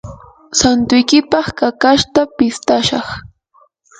santuykipaq kakashta pistashaq.